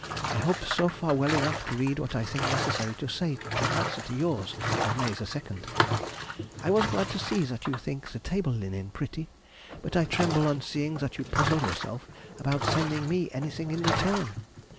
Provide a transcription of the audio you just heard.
I hope so far well enough to read what I think necessary to say in answer to yours of May 2nd. I was glad to see that you think the table linen pretty, but I tremble on seeing that you puzzle yourself about sending me anything in return.